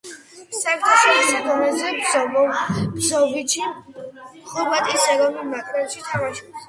საერთაშორისო დონეზე ბროზოვიჩი ხორვატიის ეროვნულ ნაკრებში თამაშობს.